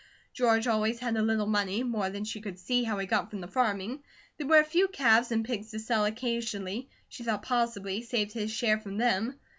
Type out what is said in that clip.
George always had a little money, more than she could see how he got from the farming. There were a few calves and pigs to sell occasionally; she thought possibly he saved his share from them.